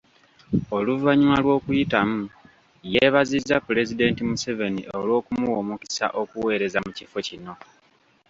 Oluvannyuma lw’okuyitamu, yeebazizza Pulezidenti Museveni olw’okumuwa omukisa okuweereza mu kifo kino.